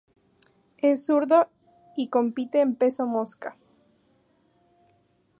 Es zurdo y compite en peso mosca.